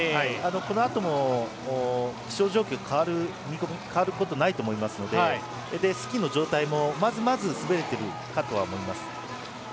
このあとも気象状況変わることないと思いますのでスキーの状態もまずまず滑れているかと思います。